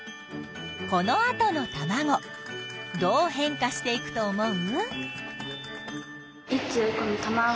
このあとのたまごどう変化していくと思う？